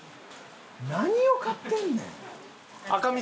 何を買ってんねん！